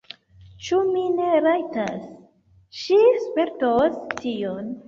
Ĉu mi ne rajtas? Ŝi spertos tion!